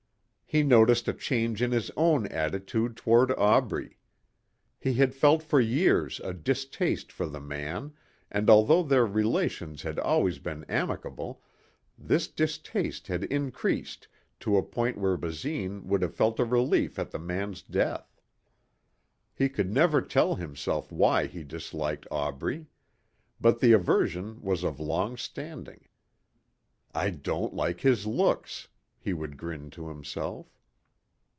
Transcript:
He noticed a change in his own attitude toward Aubrey. He had felt for years a distaste for the man and although their relations had always been amicable, this distaste had increased to a point where Basine would have felt a relief at the man's death. He could never tell himself why he disliked Aubrey. But the aversion was of long standing. "I don't like his looks," he would grin to himself.